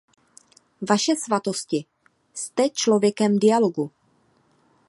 Vaše Svatosti, jste člověkem dialogu.